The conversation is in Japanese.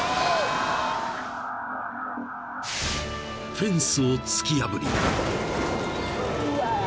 ［フェンスを突き破り］